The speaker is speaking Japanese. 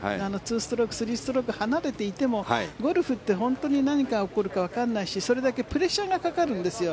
２ストローク、３ストローク離れていてもゴルフって本当に何が起こるかわからないしそれだけプレッシャーがかかるんですよ。